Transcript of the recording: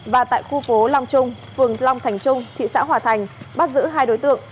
và tại khu phố long trung phường long thành trung thị xã hòa thành bắt giữ hai đối tượng